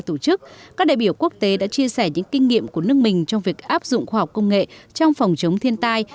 tổ chức các đại biểu quốc tế đã chia sẻ những kinh nghiệm của nước mình trong việc áp dụng khoa học công nghệ trong phòng chống thiên tai